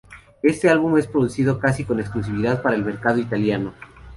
Este álbum es producido casi con exclusividad para el mercado italiano.